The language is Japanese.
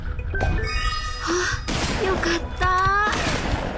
ほっよかった。